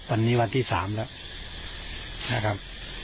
วันนี้วันที่๓แล้วนะครับ